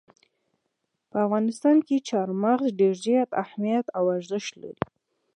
په افغانستان کې چار مغز ډېر زیات اهمیت او ارزښت لري.